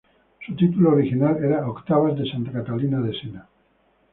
Su título original era "Octavas de santa Catalina de Sena".